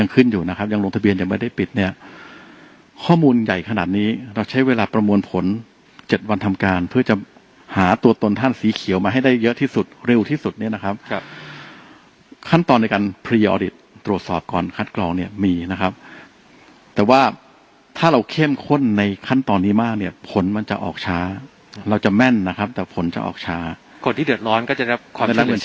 ขึ้นอยู่นะครับยังลงทะเบียนยังไม่ได้ปิดเนี่ยข้อมูลใหญ่ขนาดนี้เราใช้เวลาประมวลผลเจ็ดวันทำการเพื่อจะหาตัวตนท่านสีเขียวมาให้ได้เยอะที่สุดเร็วที่สุดเนี่ยนะครับขั้นตอนในการพรีออริตตรวจสอบก่อนคัดกรองเนี่ยมีนะครับแต่ว่าถ้าเราเข้มข้นในขั้นตอนนี้มากเนี่ยผลมันจะออกช้าเราจะแม่นนะครับแต่ผลจะออกช้าคนที่เดือดร้อนก็จะได้รับความ